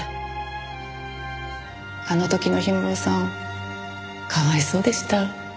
あの時の氷室さんかわいそうでした。